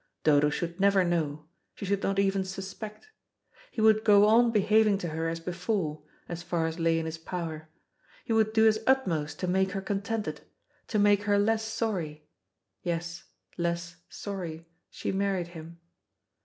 Dodo should never know, she should not even suspect. He would go on behaving to her as before, as far as lay in his power. He would do his utmost to make her contented, to make her less sorry yes, less sorry she married him.